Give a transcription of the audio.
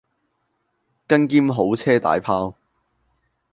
更兼好車大砲